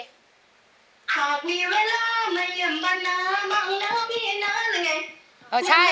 โทรหาคนรู้จัก